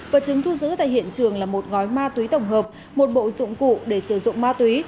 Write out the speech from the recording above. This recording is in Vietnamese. vật chứng thu giữ tại hiện trường là một gói ma túy tổng hợp một bộ dụng cụ để sử dụng ma túy